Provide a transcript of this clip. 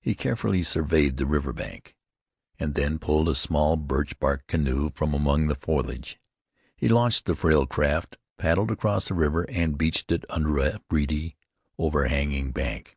He carefully surveyed the river bank, and then pulled a small birch bark canoe from among the foliage. He launched the frail craft, paddled across the river and beached it under a reedy, over hanging bank.